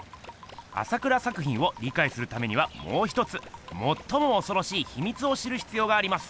朝倉作品をりかいするためにはもうひとつもっともおそろしいひみつを知るひつようがあります。